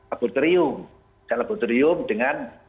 abuterium bisa abuterium dengan